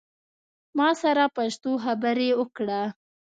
ما سره پښتو خبری اوکړه